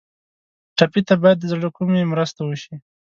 ټپي ته باید د زړه له کومي مرسته وشي.